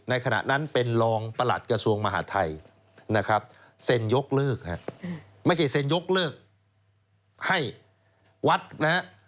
ขณะนั้นเป็นรองประหลัดกระทรวงมหาทัยนะครับเซ็นยกเลิกไม่ใช่เซ็นยกเลิกให้วัดนะฮะ